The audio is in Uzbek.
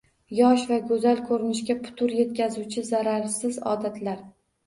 Yosh va go‘zal ko‘rinishga putur yetkazuvchi zararsiz odatlar